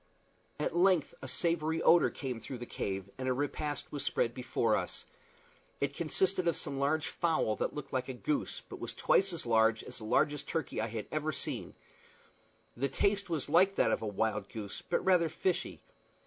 At length a savory odor came through the cave, and a repast was spread before us. It consisted of some large fowl that looked like a goose, but was twice as large as the largest turkey that I had ever seen. The taste was like that of a wild goose, but rather fishy.